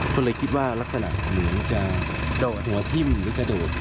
ก็เลยคิดว่ารักษณะเหมือนจะโดดหัวทิ้มหรือกระโดด